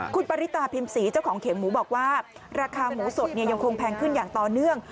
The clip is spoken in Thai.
คุณปริตาพิมศรีเจ้าของเขียงหมูบอกว่าราคาหมูสดยังคงแพงขึ้นอย่างต่อเนื่อง